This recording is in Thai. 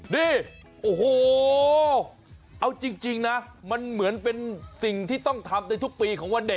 นี่โอ้โหเอาจริงนะมันเหมือนเป็นสิ่งที่ต้องทำในทุกปีของวันเด็ก